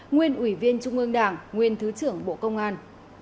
nguyên ủy viên trung ương đảng nguyên thứ trưởng bộ công an